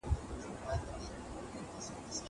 زه پرون انځورونه رسم کوم!